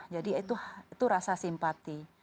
jadi itu rasa simpati